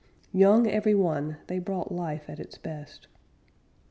Young every one, they brought life at its best.